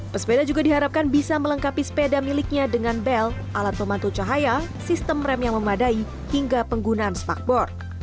pesepeda juga diharapkan bisa melengkapi sepeda miliknya dengan bel alat pemantu cahaya sistem rem yang memadai hingga penggunaan spakboard